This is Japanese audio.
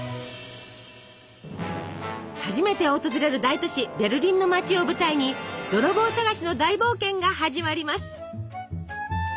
初めて訪れる大都市ベルリンの街を舞台に泥棒捜しの大冒険が始まります。